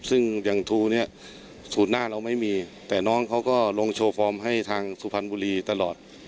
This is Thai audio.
ซึ่งอย่างทูเนี่ยสูตรหน้าเราไม่มีแต่น้องเขาก็ลงโชว์ฟอร์มให้ทางสุพรรณบุรีตลอด